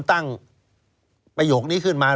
ตั้งประโยคนี้ขึ้นมา